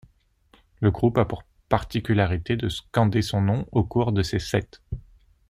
Le groupe a pour particularité de scander son nom au cours de ses sets.